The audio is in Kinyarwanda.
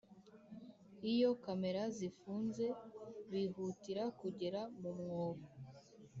iyo kamera zifunze bihutira kugera mu mwobo